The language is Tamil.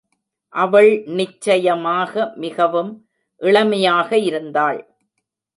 அவள் நிச்சயமாக மிகவும் இளமையாக இருந்தாள்.